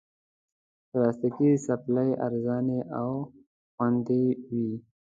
پلاستيکي چپلی ارزانه او خوندې وي.